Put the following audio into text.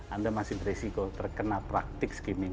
anda masih beresiko terkena praktik skimming